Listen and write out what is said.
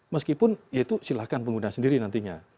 meskipun ya itu silahkan pengguna sendiri nantinya